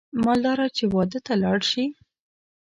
مالداره چې واده ته لاړ شي